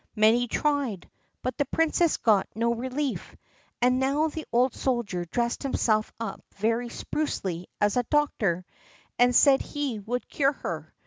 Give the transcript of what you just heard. Many tried, but the princess got no relief. And now the old soldier dressed himself up very sprucely as a doctor, and said he would cure her.